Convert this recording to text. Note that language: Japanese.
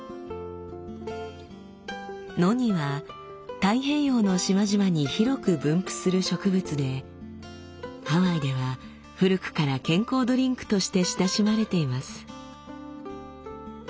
ノニは太平洋の島々に広く分布する植物でハワイでは古くから健康ドリンクとして親しまれています。